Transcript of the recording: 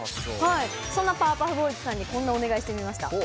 そんなパワーパフボーイズさんにこんなお願いしてみました。